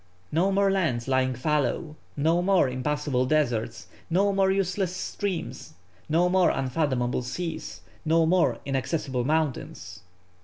No more lands lying fallow, no more impassable deserts, no more useless streams, no more unfathomable seas, no more inaccessible mountains!